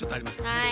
はい！